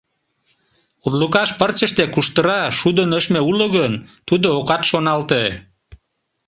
Урлыкаш пырчыште куштыра, шудо нӧшмӧ уло гын, тудо окат шоналте.